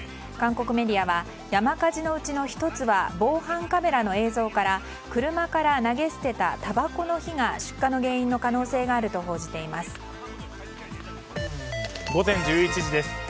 韓国メディアは山火事のうちの１つは防犯カメラの映像から車から投げ捨てたたばこの火が出火の原因の可能性があると報じています。